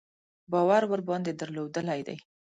باور ورباندې درلودلی دی.